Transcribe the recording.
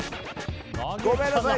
ごめんなさい。